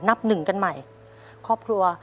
นับหนึ่งกันใหม่ครอบครัว